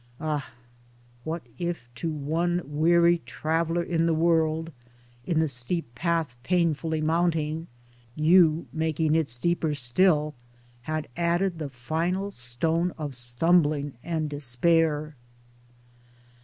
Ah ! what if to one weary traveler in the world, in the v 40 Towards Democracy steep path painfully mounting, you making it steeper still had added the final stone of stumbling and despair?